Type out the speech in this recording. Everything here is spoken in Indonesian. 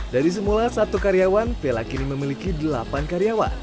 dari semula satu karyawan vela kini memiliki delapan karyawan